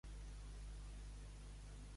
Mas, en relació a Madrid, què esmenta?